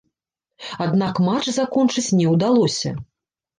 Аднак матч закончыць не ўдалося.